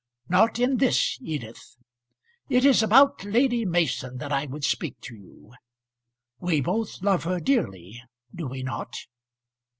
"Not in this, Edith. It is about Lady Mason that I would speak to you. We both love her dearly; do we not?"